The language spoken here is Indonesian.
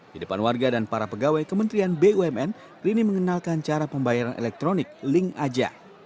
di depan warga dan para pegawai kementerian bumn rini mengenalkan cara pembayaran elektronik link aja